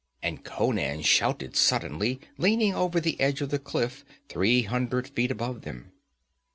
And Conan shouted suddenly, leaning over the edge of the cliff, three hundred feet above them.